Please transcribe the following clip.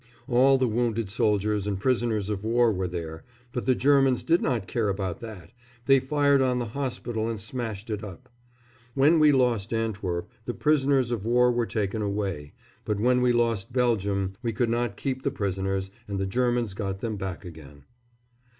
All the wounded soldiers and prisoners of war were there; but the Germans did not care about that they fired on the hospital and smashed it up. When we lost Antwerp the prisoners of war were taken away; but when we lost Belgium we could not keep the prisoners, and the Germans got them back again.